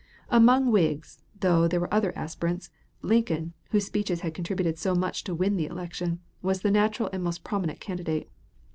Among the Whigs, though there were other aspirants, Lincoln, whose speeches had contributed so much to win the election, was the natural and most prominent candidate.